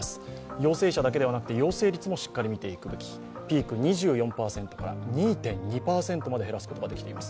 陽性者だけではなくて陽性率もしっかり見ていくべきピーク２４％から２．２％まで減らすことができています。